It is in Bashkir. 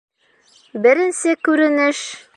БЕРЕНСЕ КҮРЕНЕШ